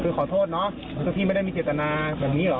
อนต้ือขาวโทษนะพี่ไม่ได้มีกับอัดนาบังเหงี่หรอ